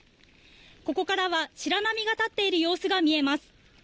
ここからは白波が立っている様子が見えます。